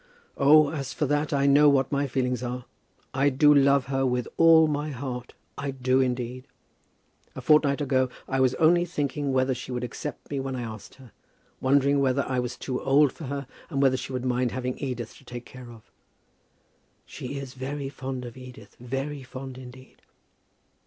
"Oh, as for that, I know what my feelings are. I do love her with all my heart; I do, indeed. A fortnight ago I was only thinking whether she would accept me when I asked her, wondering whether I was too old for her, and whether she would mind having Edith to take care of." "She is very fond of Edith, very fond indeed."